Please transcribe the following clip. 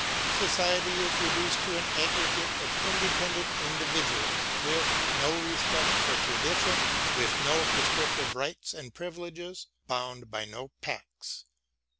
Society is reduced to an aggregate of independent individuals with no respect for tradition, with no prescriptive rights and privileges, bound by no pacts.